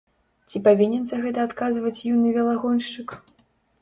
Ці павінен за гэта адказваць юны велагоншчык?